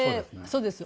そうです。